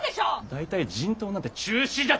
大体人痘なんて中止じゃ！